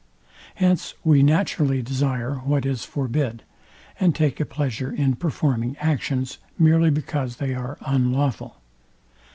Hence we naturally desire what is forbid, and take a pleasure in performing actions, merely because they are unlawful.